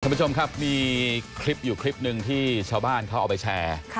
คุณผู้ชมครับมีคลิปอยู่คลิปหนึ่งที่ชาวบ้านเขาเอาไปแชร์